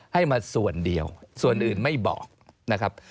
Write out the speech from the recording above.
ให้มาส่วนเดียวส่วนอื่นไม่บอกนะครับ